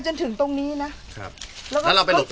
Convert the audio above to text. เจ๊อย่าออกไป